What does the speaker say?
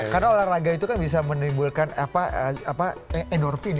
karena olahraga itu kan bisa menimbulkan apa apa endorfin